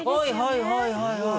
はいはいはいはい。